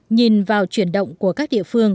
nhìn vào chuyển động của các địa phương